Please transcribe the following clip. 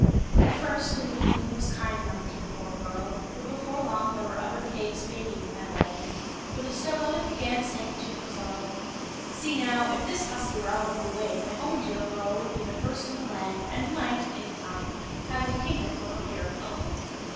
At first the new queen was kind enough to the poor girl ; but before long there were other cakes baking in that oven, for the step mother began saying to herself :" See, now, if this hussy were out of the way my own dear girl would be the first in the land, and might, in time, have the kingdom for her very own."